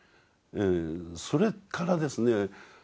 それからですね